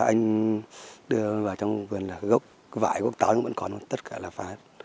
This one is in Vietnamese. anh đưa tôi vào trong vườn gốc vải gốc táo cũng vẫn còn tất cả là phá hết